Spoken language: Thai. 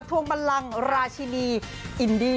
วงบันลังราชินีอินดี